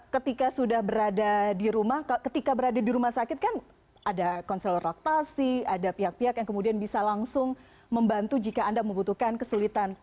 ketika sudah berada di rumah ketika berada di rumah sakit kan ada konseloraktasi ada pihak pihak yang kemudian bisa langsung membantu jika anda membutuhkan kesulitan